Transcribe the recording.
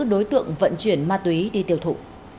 đối tượng vận chuyển ma túy đi tiêu thụ